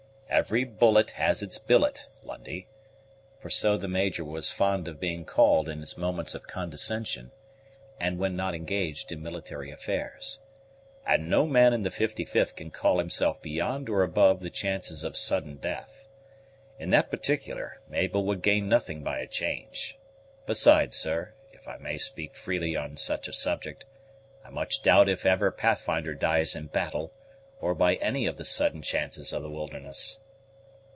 "'Every bullet has its billet,' Lundie," for so the Major was fond of being called in his moments of condescension, and when not engaged in military affairs; "and no man in the 55th can call himself beyond or above the chances of sudden death. In that particular, Mabel would gain nothing by a change. Besides, sir, if I may speak freely on such a subject, I much doubt if ever Pathfinder dies in battle, or by any of the sudden chances of the wilderness."